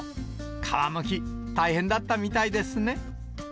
皮むき、大変だったみたいですね。